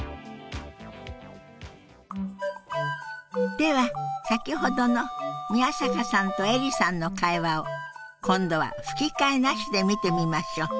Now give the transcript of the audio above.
では先ほどの宮坂さんとエリさんの会話を今度は吹き替えなしで見てみましょう。